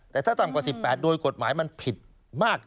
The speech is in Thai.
แต่ถ้าต่ำกว่า๑๘โดยกฎหมายมันผิดมาก